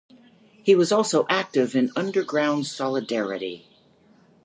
He was also active in underground Solidarity.